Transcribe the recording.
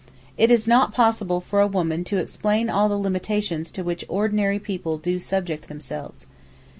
It is not possible for a woman to explain all the limitations to which ordinary people do subject themselves.